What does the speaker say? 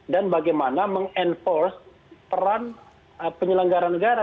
dan bagaimana mengenforce peran penyelenggara negara